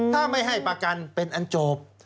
ถ้าไม่ให้ประกันเป็นอันจบ